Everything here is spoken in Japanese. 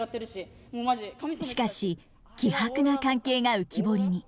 しかし希薄な関係が浮き彫りに。